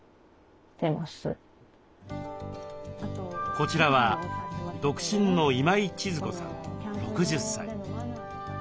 こちらは独身の今井千鶴子さん６０歳。